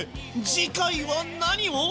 次回は何を？